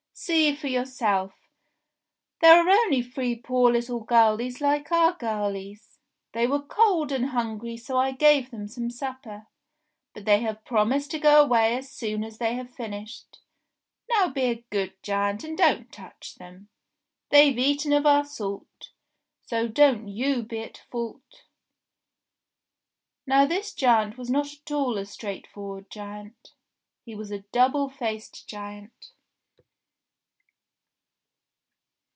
"See for yourself. They are only three poor little girlies like our girlies. They were MOLLY WHUPPIE AND THE GIANT 337 cold and hungry so I gave them some supper ; but they have promised to go away as soon as they have finished. Now be a good giant and don't touch them. They've eaten of our salt, so don't you be at fault !" Now this giant was not at all a straightforward giant. He was a double faced giant.